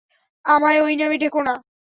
আমায় ওই নামে ডেকো না।